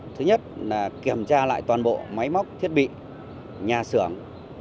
thứ nhất là kiểm tra lại toàn bộ máy móc thiết bị nhà xưởng